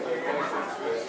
tidak usah lama lama